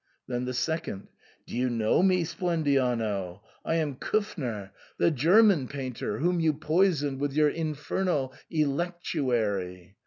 Then the second, "Do you know me, Splendiano? I am KUfner, the German 124 SIGNOR FORMICA. painter, whom you poisoned with your infernal electu ary."